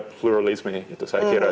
pluralisme itu saya kira